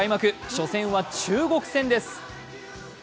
初戦は中国戦です。